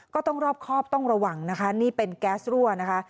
ก็ต้องรอบครอบต้องระวังนะคะนี่เป็นแก๊สรั่วนะคะ